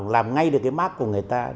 làm ngay được cái mát của người ta